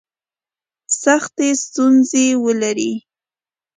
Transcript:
سختي ستونزي ولري.